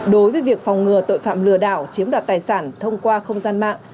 đối với việc phòng ngừa tội phạm lừa đảo chiếm đoạt tài sản thông qua không gian mạng